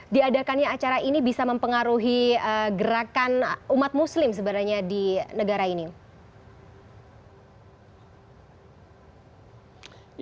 diadakannya acara ini bisa mempengaruhi gerakan umat muslim sebenarnya di negara ini